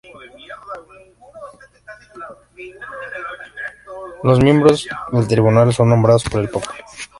Los miembros del tribunal son nombrados por el papa.